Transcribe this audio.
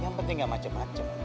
yang penting gak macem macem